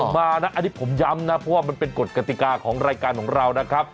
มานะอันนี้ผมย้ำนะเพราะว่ามันเป็นกฎกติกาของรายการของเรานะครับ